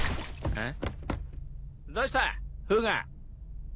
えっ！？